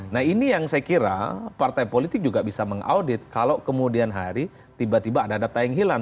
nah ini yang saya kira partai politik juga bisa mengaudit kalau kemudian hari tiba tiba ada data yang hilang